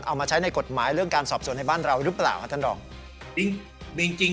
เอามาใช้ในกฎหมายเรื่องการสอบส่วนในบ้านเราหรือเปล่าครับท่านรองจริง